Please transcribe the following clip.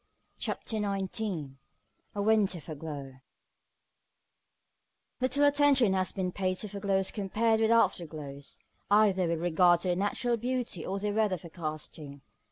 CHAPTER XIX A WINTER FOREGLOW Little attention has been paid to foreglows compared with afterglows, either with regard to their natural beauty or their weather forecasting.